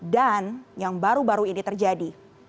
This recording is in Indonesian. dan yang baru baru ini terjadi